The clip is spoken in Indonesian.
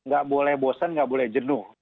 gak boleh bosan nggak boleh jenuh